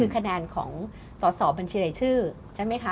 ขนาดของสอบบัญชีใดชื่อใช่ไหมคะ